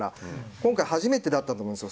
今回初めてだったと思うんですよ。